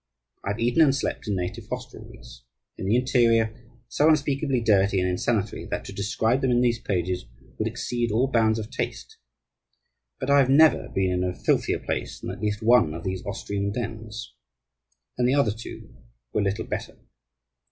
I have eaten and slept in native hostelries, in the interior, so unspeakably dirty and insanitary that to describe them in these pages would exceed all bounds of taste, but I have never been in a filthier place than at least one of these Austrian dens. And the other two were little better.